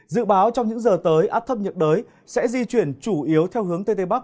dự báo trong những giờ tới áp thấp nhiệt đới sẽ di chuyển chủ yếu theo hướng tây tây bắc